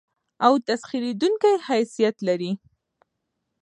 او تسخېرېدونکى حيثيت لري.